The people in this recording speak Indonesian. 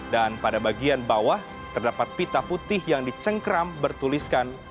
dan pada bagian bawah terdapat pita putih yang dicengkram bertuliskan